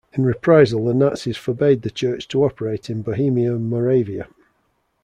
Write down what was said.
In reprisal the Nazis forbade the church to operate in Bohemia and Moravia.